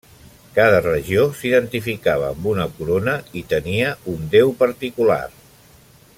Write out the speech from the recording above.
Cada regió s'identificava amb una corona i tenia un déu particular.